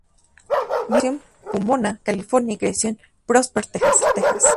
Glover nació en Pomona, California y creció en Prosper, Texas.